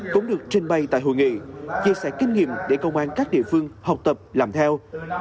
cũng được trình bày tại hội nghị chia sẻ kinh nghiệm để công an các địa phương học tập làm theo